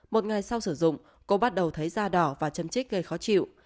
một ngày sau sử dụng cô bắt đầu thấy da đỏ và chân trích gây khó chịu